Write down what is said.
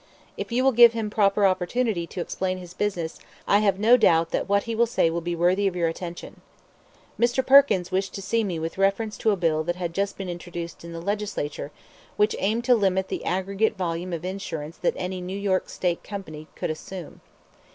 If you will give him proper opportunity to explain his business, I have no doubt that what he will say will be worthy of your attention." Mr. Perkins wished to see me with reference to a bill that had just been introduced in the Legislature, which aimed to limit the aggregate volume of insurance that any New York State company could assume.